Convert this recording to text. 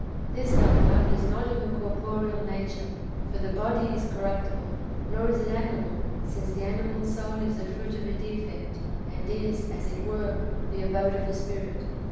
This, how ever, is not of a corporeal nature, for the body is corruptible ; nor is it animal, since the animal soul is the fruit of a defect, and is, as it were, the abode of the spirit.